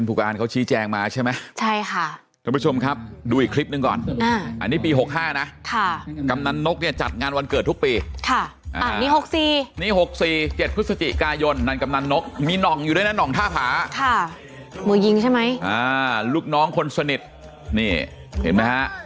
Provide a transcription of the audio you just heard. พวกเราก็จะคอยดูความสำเร็จในอนาคตข้างหน้าครับขอบคุณครับ